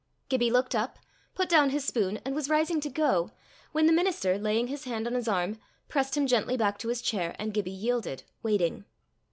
Gibbie looked up, put down his spoon, and was rising to go, when the minister, laying his hand on his arm, pressed him gently back to his chair, and Gibbie yielded, waiting.